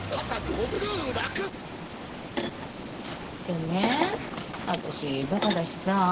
でね私バカだしさ。